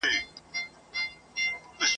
چي له مېړونو مېنه خالي سي ..